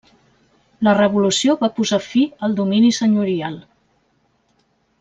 La revolució va posar fi al domini senyorial.